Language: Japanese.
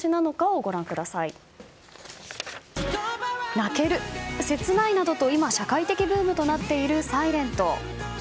泣ける、切ないなどと今、社会的ブームとなっている「ｓｉｌｅｎｔ」。